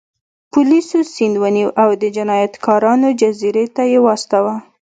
پولیسو سید ونیو او د جنایتکارانو جزیرې ته یې واستاوه.